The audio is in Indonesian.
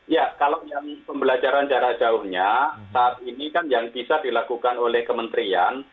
ya kalau yang pembelajaran jarak jauhnya saat ini kan yang bisa dilakukan oleh kementerian